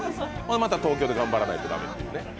また東京で頑張らないと駄目というね。